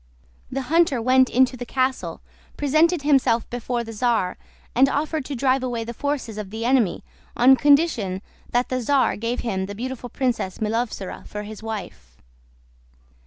The hunter went into the castle, presented himself before the czar, and offered to drive away the forces of the enemy on condition that the czar gave him the beautiful Princess Milovzora for his wife.